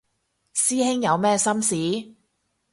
師兄有咩心事